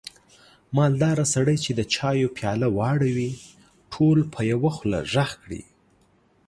مالداره سړی چې د چایو پیاله واړوي، ټول په یوه خوله غږ کړي.